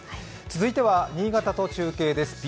続いては新潟と中継です。